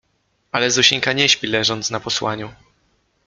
Ale Zosieńka nie śpi, leżąc na posłaniu